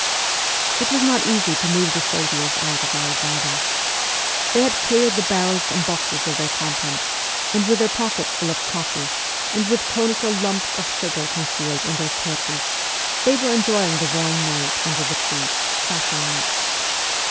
It was not easy to move the soldiers out of our garden. They had cleared the barrels and boxes of their contents, and with their pockets full of coffee, and with conical lumps of sugar concealed in their kepis, they were enjoying the warm night under the trees, cracking nuts!